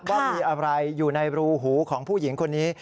ว่ามีอะไรอยู่ในรูหูของผู้หญิงคนนี้